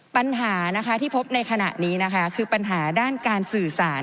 ปัญหานะคะที่พบในขณะนี้นะคะคือปัญหาด้านการสื่อสาร